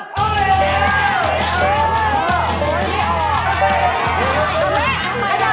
พับความใจ